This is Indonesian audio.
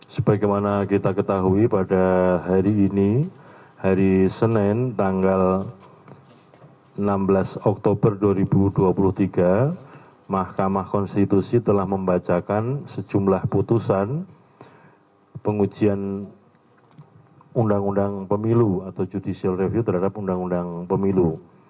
sebagai mana kita ketahui pada hari ini hari senin tanggal enam belas oktober dua ribu dua puluh tiga mahkamah konstitusi telah membacakan sejumlah putusan pengujian undang undang pemilu atau judicial review terhadap undang undang pemilu